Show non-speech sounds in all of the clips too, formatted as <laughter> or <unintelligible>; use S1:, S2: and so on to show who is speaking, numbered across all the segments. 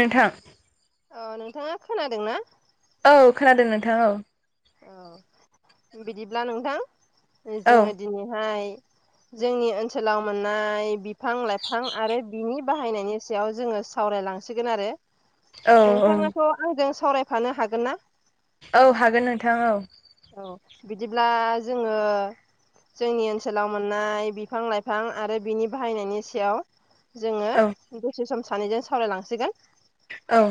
S1: नोंथां
S2: अ नोंथाङा खोनादोंनाा
S1: औ खोनादों नोंथां औ
S2: औ बिदिब्ला नोंथां
S1: औ
S2: जोङो दिनैहाय जोंनि ओनसोलाव मोननाय बिफां लाइफां आरो बिनि बाहायनायनि सायाव जोङो सावरायलांसिगोन आरो
S1: औ औ
S2: नोंथाङाथ' आंजों सावरायफानो हागोन ना
S1: औ हागोन नोंथां औ
S2: औ बिदिब्ला जोङो जोंनि ओनसोलाव मोननाय बिफां लाइफां आरो बिनि बाहायनायनि सायाव जोङो
S1: औ
S2: दसे सम सानैजों सावरायलांसिगोन
S1: औ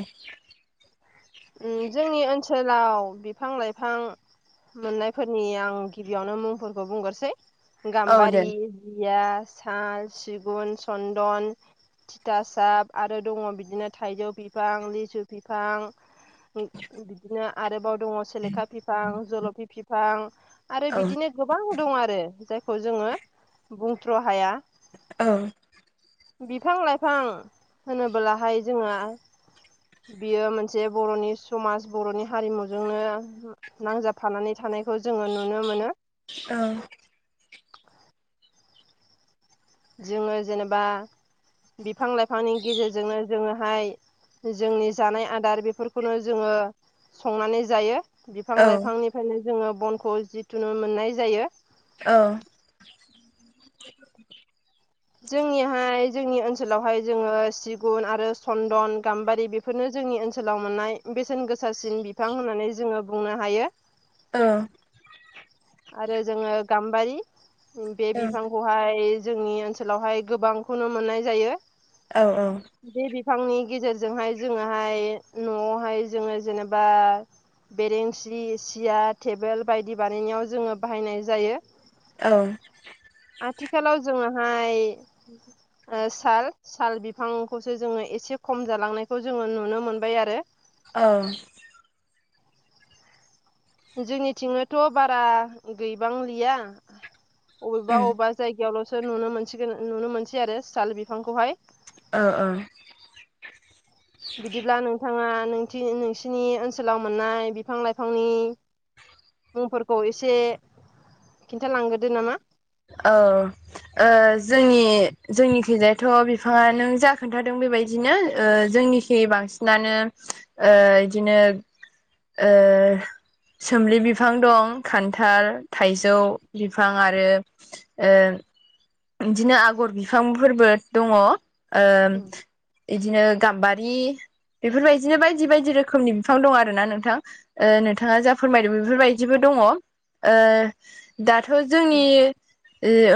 S2: जोंनि ओनसोलाव बिफां लाइफां मोननायफोरनि आं गिबियावनो मुंफोरखौ बुंगरसै
S1: औ
S2: गाम्बारि
S1: दे
S2: रया सा सिगुन चन्दन थिथाासाब आरो दङ बिदिनो थाइजौ बिफां लिसु फिफां बिदिनो आरोबाव दङ सेलेखा बििफां जलफि फिफां आरो
S1: औ
S2: बिदिनो गोबां दं आरो जायखौ जोङो बुंथ्र' हाया
S1: औ
S2: बिफां लाइफां होनबोलाहाय जोङो बियो मोनसे जे बर'नि समाज बर'नि हारिमुजोंनो नांजाबफानानै थानायखौ जोङो नुनो मोनो
S1: औ
S2: जोङो जेनेबा बिफां लाइफांनि गेजेरजोंनो जोङोहाय जोंनि जानाय आदार बेफोरखौनो जोङो संनानै जायो बिफां
S1: औ उम
S2: लाइफांनिफ्रायनो जोङो बनखौ जिथुुन मोननाय जायो
S1: औ
S2: जोंनिहाय जोंनि ओनसोलावहाय जोङो सिगुन आरो सन्दन गाम्बारि बे बेफोरनो जोंनि ओनसोलाव मोननाय बेसेन गोसासिन बिफां होननानै जोङो बुंनो हायो
S1: ओ
S2: आरो जोङो गाम्बारि बे बिफांखौ बे खौहाय जोंनि ओनसोलावहाय गोबांखौनो मोननाय जायो
S1: औ औ
S2: बे बिफांनि गेजेरजोंहाय जोङोहाय न'आवहाय जोङो जेनेबा बेरेेंसि सियार टेबोल बायदि बानायनायाव जोङो बाहायनाय जायो
S1: औ
S2: आथिखालाव जोङोहाय साल साल बिफांखौसो जोङो एसे खम जालांनायखौ जोङो नुनो मोनबाय आरो
S1: औ
S2: जोंनिथिंनोथ' बारा गैबांलिया अबेबा अबेबा जायगायावल'सो नुनो मोनसिगोन नुनो मोनसै आरो साल बिफांखौहाय
S1: <unintelligible>
S2: बिदिब्ला नोंथाङा <unintelligible> नोंसिनि ओनसोलाव मोननाय बिफां लाइफांनि मुंफोरखौ एसे खिन्थालांग्रोदो नामा
S1: औ जोंनि जोंनिखैजायथ' बिफाङा नों जा खोन्थादों बेबायदिनो जोंनि खि बांसिनानो बिदिनो सोमलि बिफां दं खान्थाल थाइजौ बिफां आरो बिदिनो आगर बिफांफोरबो दंङ बिदिनो गाम्बारि बेफोरबायदिनो बायदि बायदि रोखोमनि बिफां दं आर ना नोंथां। नोंथाङा जा फोरमायदों बेफोरबायदिबो दंङ दाथ' जोंनि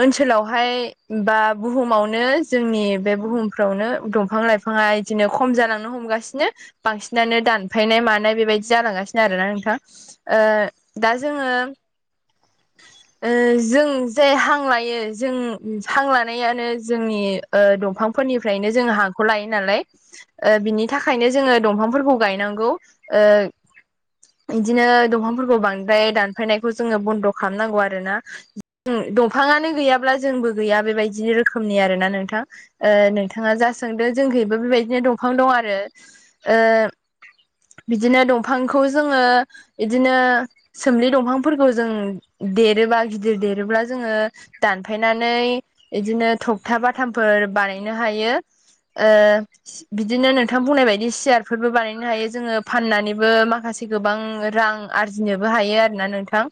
S1: ओनसोलाव ओमफ्राय बा बुहुमावनो जोंनि बे बुहुमखौनो दंफां लाइफां बिफाङा बिदिनो खम जालांनो हमगासिनो बांसिनानो दानफायनाय मानाय बेबायदि जालांगासिनो आरोोना नोंथाङा ओ दा जोङो जों जे हां लायो जों सां लानायानो जोंनि दंफांफोरनिफ्रायनो जों हा खौ लायो नालाय बिनि थाखायनो जोंङो दंफांफोरखौ गायनांगौ इदिनो दंफांफोरखौ बांद्राय दानफायनायखौ जोंङो बन्द' खालामनांगौ आरो ना दंफाङानो गैयाब्ला जोंबो गैया बेबायदि रोखोमनि आरोना नोंथां नोंथाङा जा सोंदो जोंहबो बेबायदिनो दंफां दं आरो बिदिनो दंफांखौ जोंङो बिदिनो सोमलि दंफांफोरखौ जों देरोबा गिदिर देरोब्ला जोंङो दानफायनानै बिदिनो थफथा बाथामफोर बानायनो हायो ओ बिदिनो नोंथां बुंनाय बायदि सियारफोरबो बानायनो हायो जोङो फाननानैबो माखासे ए गोबां रां आरजिनोबो हायो आरोना नोंथां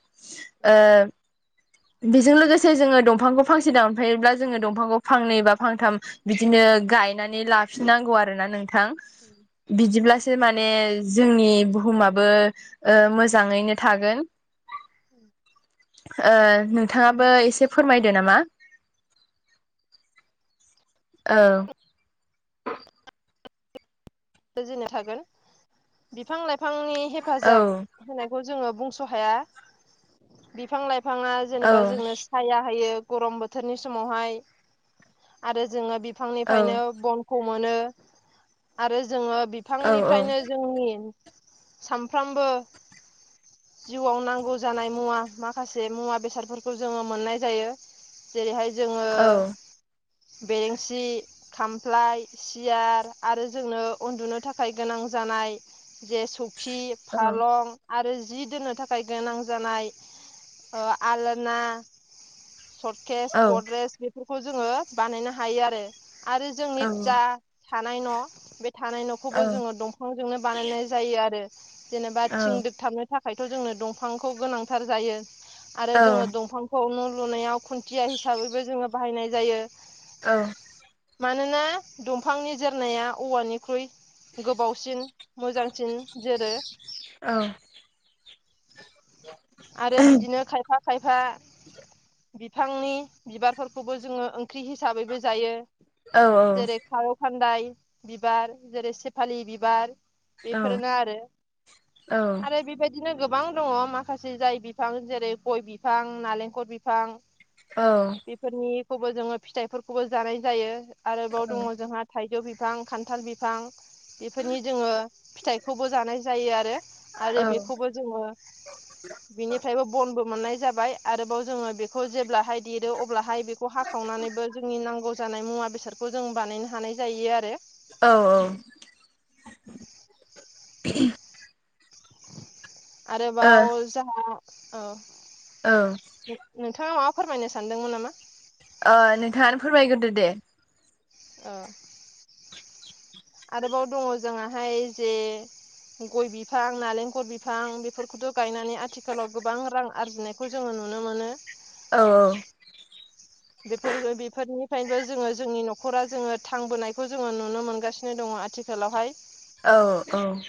S1: बेजों लोगोसे जोंङो दंफांखौ फांसे दानफायोब्ला जोंङो दंफांखौ फांनै फांथाम बिदिनो गायनानै लाफिननांगौ आरोना नोंथां बिदिब्लासो माने जोंनि बुहुमाबो मोजांङैनो थागोन
S2: <unintelligible>
S1: नोंथाङाबो एसे फोरमायदो नामा औ
S2: सोरजिनो थागोन बिफां लाइफांनि
S1: औ
S2: हेफाजाब होननायखौ जोङो बुंस' हाया बिफां लाइफाङा
S1: औ
S2: जेनेबा जोंनो साया होयो गरम बोथोरनि समावहाय आरो जोङो
S1: औ
S2: बिफांनिफ्रायनो बन खौ मोनो आरो जोंङो
S1: औ
S2: बिफांनिफ्रायनो जोंनि सानफ्रोमबो जिउआव नांगौ जानाय मुवा माखासे मुवा बेसादफोरखौ जोङो मोननाय जायो जेरैहाय जोंङो
S1: औ
S2: बेरेंसि खामफ्लाय सियार आरो जोंनो उन्दुनो थाखाय गोनां जानाय जे सौखि
S1: औ
S2: फालं आरो जि दोननो थाखाय गोनां जानाय आलना सर्ट केस
S1: औ
S2: गद्रेज बेफोरखौ जोङो बानायनो हायो आरो आरो जों
S1: औ
S2: नितजा थानाय न' बे थानाय न'खौबो जोनङो दंफांजोंनो बानायनाय जायो आरो जेनेबा
S1: औ
S2: थिं दोबथाबनो थाखायथ जोंनो दंफांखौ गोनांथार जायो आरो
S1: औ
S2: जोङो दंफांखौ न' लुनायाव खुन्थिया हिसाबैबो जोङो बाहायनाय जायो
S1: औ
S2: मानोना दंफांनि जोरनाया औवानि फख्रुइ गोबावसिन मोजांसिन जेरै
S1: औ <inaudible>
S2: आरो बिदिनो खायफा खायफा
S1: <inaudible>
S2: बिफांनि बिबारफोरखौबो जोंङो ओंख्रि हिसाबैबो जायो।
S1: औ औ
S2: जेरै खारौ खानदाय बिबार जेरै सेफालि बिबार
S1: औ
S2: बेफोरनो आरो आरो बेबायदिनो गोबां दङ मा खासे जाय बिफां जेरै गय बिफां नालेंखर बिफां
S1: औ
S2: बेफोरनिखौबो जोंङो फिथाइफोरखौबो जानाय जायो आरोबाव दङ जोंहा थाइजौ बिफां खान्थाल बिफां बेफोरनि जोंङो फिथाइखौबो जानाय जायो आरो। आरो बे खौबो जोंङो बिनिफ्रायबो बनबो मोननाय जाबाय आरोबाव जोंङो बेखौ जेब्लाहाय दिरो अब्लाहाय बेखौ हाखावनानैबो जोंनि नांगौ जानाय मुवा बेसादखौ जों बानायनो हानाय जायो आरो।
S1: औ औ
S2: आरोबाव जा औ
S1: औ
S2: नोंथाङा माबा फोरमायनो सानदोंमोन नामा।
S1: ओ नोंथाङानो फोरमायग्रोदो दे
S2: औ आरोबाव दङ जोंहाहाय जे गय बिफां नालेंखर बिफां बेफोरखौथ' गायनानै आथिखालाव गोबां रां आरजिनायखौ जोंङो नुनो मोनो।
S1: औ औ
S2: बेफोर बेफोरनिफ्रायनोबो जोंङो जोंनि न'खरा जोंङो थांबोनायखौ जोंङो नुनो मोनगासिनो दङ आथि ओनसोलावहाय
S1: औ औ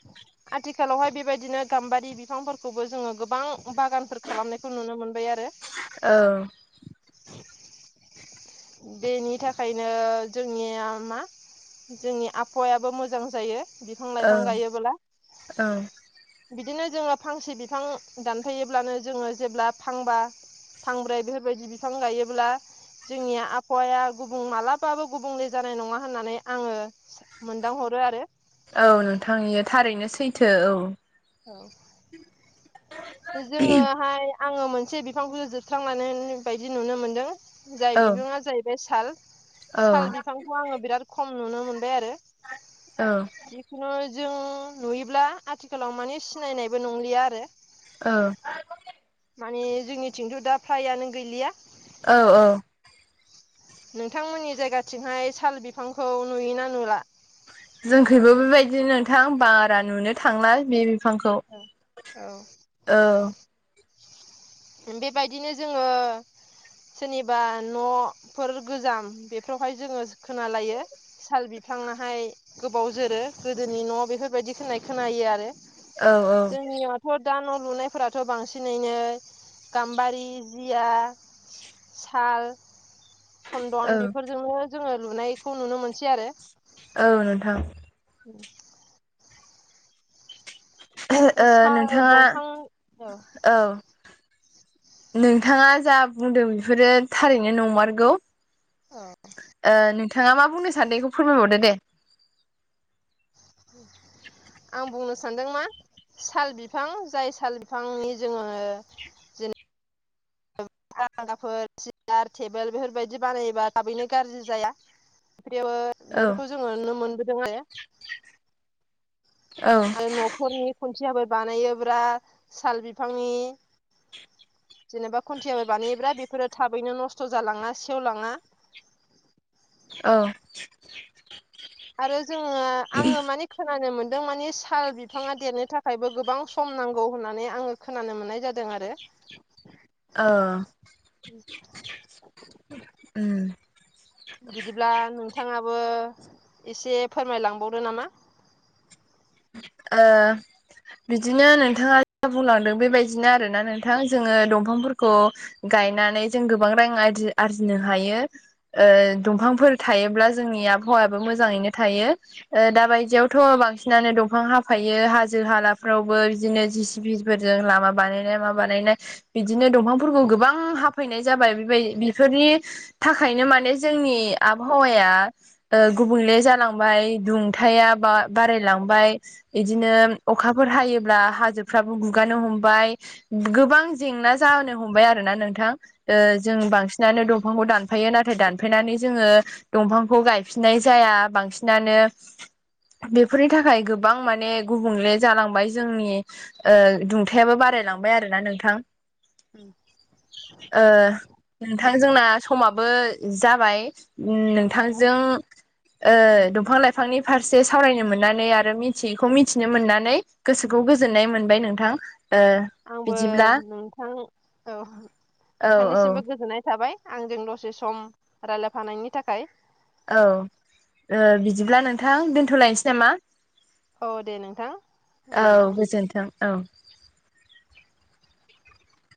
S2: <inaudible> आथिखालावहाय बेबायदिनो गाम्बारि बिफांफोरखौबो जोंङो गोबां बागानफोर खालामनायखौ नुनो मोनबाय आरो।
S1: औ
S2: <inaudible> बेनि थाखायनो जोंनिया मा जोंनि आबहावायाबो मोजां जायो बिफां
S1: औ
S2: लाइफां गायोब्ला बिदिनो जोंङो फांसे बिफां दानफैयोब्लानो जोंङो जेब्ला फांबा फांब्रै बेफोरबायदि बिफां गायोब्ला जोंनि आबहावाया गुबुं मालाबाबो गुबुंले जानाय नङा होननानै आङो मोनदां हरो आरो।
S1: औ नोंथांनि इयो थारैैनो सैथो औ।
S2: औ जोंङोहाय आङो मोनसे बिफां खौ जोबस्रांनानै बायदि नुनो मोनदों। जाय
S1: औ
S2: बिबाङा जाहैबाय साल
S1: औ
S2: साल बिफांखौ आङो बिराद खम नुनो मोनबाय आरो।
S1: औ
S2: जिखुनु जों नुयोब्ला आथिखालाव माने सिनायनायबो नंलिया आरो।
S1: औ
S2: माने जोंनिथिंथ' दा फ्रायानो गैलिया
S1: औ औ
S2: नोंथांमोननि जायगाथिंहाय साल बिफांखौ नुयोना नुला।
S1: जोंखैबो बेबायदि नोंथां बारा नुनो थांला बे बिफांखौ
S2: औ
S1: औ
S2: बेबायदिनो जोंङो सोरनिबा न'फोर गोजाम बेफोरावहाय जोंङो खोनालायो। साल बिफांआहाय गोबाव जोरो गोदोनि न' बेफोरबायदि होननाय खोनायो आरो।
S1: औ
S2: जोंनियाथ' दा न' लुनायफोराथ' बांसिनैनो गाम्बारि जिया साल
S1: औ
S2: सन्दन बेफोर जोंनो जोङो लुनायखौ नुनो मोनसै आरो।
S1: औ नोंथां।
S2: उम
S1: ओ
S2: साल
S1: नोंथाङा
S2: दंफां ओ
S1: औ नोंथाङा जा बुंदों बेफोरो थारैनो नंमारगौ। ओ नोंथाङा मा बुंनो सानदों एखौ फोरमायबावदो दे।
S2: <inaudible> आं बुंनो सानदों मा साल बिफां जाय साल बिफांनि जोङो <unintelligible> फोर सियार टेबोल बेफोरबायदि बानायोबा थाबैनो गाज्रि जाया। <unintelligible>
S1: औ
S2: बेफोरखौ जोङो नुनो मोनबोदों <unintelligible>
S1: औ
S2: न'फोरनि खुनथियाफोर बानायो ब्रा साल बिफांनि जेनेबा खुन्थियाफोर बानायब्रा बेफोरो थाबैनो नस्थ' जालाङा सेवलाङा।
S1: औ।
S2: आरो जोङो आङो माने खोनानो मोन जों मानि साल बिफाङा देरनो थाखायबो गोबां सम नांगौ होननानै आङो खोनानो मोननाय जादों आरो।
S1: ओ ओम
S2: बिदिब्ला नोंथाङाबो एसे फोरमायलांबावदो नामा।
S1: ओ बिदिनो नोंथाङा <unintelligible> बुंलांदों बेबायदिनो आरोना नोंथां जोङो दंफांफोरखौ गायनानै जों गोबां रां आरजि-आरजिनो हायो। ओ दंफांफोर थायोब्ला जोंनि आबहावायाबो मोजाङैनो थायो। ओ दाबायदियावथ' बांसि नानो दंफां हाफायो हाजो हालाफ्रावबो बिदिनो जिसिबिफोरजों लामा बानायनाय मा बानायनाय बिदिनो दंफांफोरखौ गोबां हाफैनाय जाबाय बेबाय बेफोरनि थाखायनो माने जोंनि आबहावाया ओ गुबुंले जालांबाय दुंथाया बा-बारायलांबाय। इदिनो अखाफोर हायोब्ला हाजोफ्राबो गुगानो हमबाय। गोबां जेंना जानो हमबाय आरो ना नोंथां ओ
S2: औ
S1: जों बांसिन नानो दंफांखौ दानफायो नाथाय दानफायनानै जोङो दंफांखौ गायफिननाय जाया बांसिनानो बे फोरनि थाखाय गोबां माने गुबुंले जालांबाय जोंनि ओ दुंथायाबो बारायलांबाय आरोना नोंथां ओ नोंथां जोंना समाबो जाबाय। ओम
S2: औ नोंथां
S1: नोंथांजों ओ दंफां लाइफांनि फारसे सावरायनो मोन नानै आरो मिथियैखौ मिथिनो मोननानै गोसोखौ गोजोननाय मोनबाय नोंथां ओ
S2: आंबो
S1: बिदिब्ला
S2: नोंथां औ
S1: औ औ
S2: नोंथांनिसिमबो गोजोननाय थाबाय। आंजों दसे सम रायलायफानायनि थाखाय
S1: औ ओ बिदिब्ला नोंथां दोनथ'लायनोसै नामा?
S2: औ दे नोंथां गोजोन्थों।
S1: औ